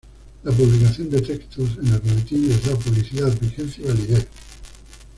La publicación de textos en el boletín les da publicidad, vigencia y validez.